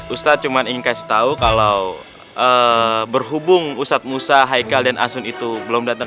ustadz cuma ingin kasih tahu kalau berhubung ustadz musa haikal dan asun itu belum datang